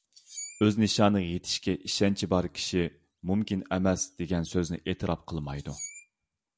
ئۆز نىشانىغا يېتىشكە ئىشەنچى بار كىشىلەر «مۇمكىن ئەمەس» دېگەن سۆزنى ئېتىراپ قىلمايدۇ.